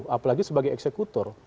apalagi sebagai eksekutor